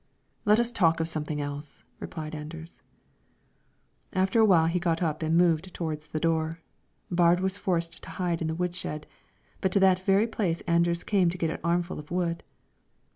"Let us talk of something else," replied Anders. After a while he got up and moved towards the door. Baard was forced to hide in the wood shed; but to that very place Anders came to get an armful of wood.